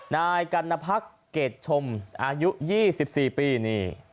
นายกัณพักเกรดชมอายุ๒๔ปีนี่